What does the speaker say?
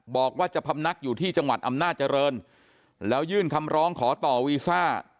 บอกว่าจะพำนักอยู่ที่จังหวัดอำนาจริงแล้วยื่นคำร้องขอต่อวีซ่า